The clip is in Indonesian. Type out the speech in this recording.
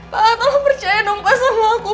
mama tolong percaya dong sama aku